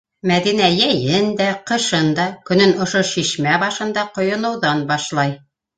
Мәҙинә йәйен дә, ҡышын да көнөн ошо шишмә башында ҡойоноуҙан башлай.